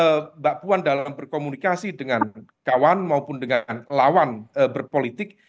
kemampuan mbak puan dalam berkomunikasi dengan kawan maupun dengan lawan berpolitik